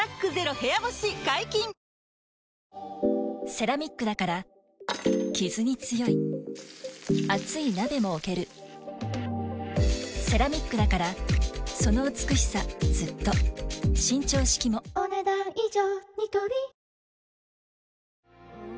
セラミックだからキズに強い熱い鍋も置けるセラミックだからその美しさずっと伸長式もお、ねだん以上。